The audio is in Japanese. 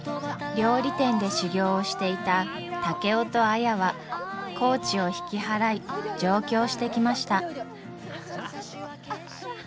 料理店で修業をしていた竹雄と綾は高知を引き払い上京してきました。